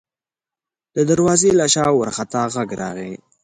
د دروازې له شا وارخطا غږ راغی: